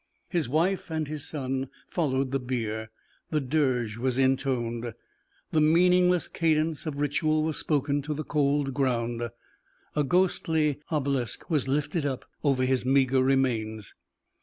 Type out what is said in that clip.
His wife and his son followed the bier; the dirge was intoned, the meaningless cadence of ritual was spoken to the cold ground; a ghostly obelisk was lifted up over his meagre remains.